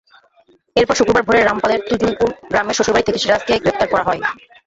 এরপর শুক্রবার ভোরে রামপালের তুজুলপুর গ্রামের শ্বশুরবাড়ি থেকে সিরাজকে গ্রেপ্তার করা হয়।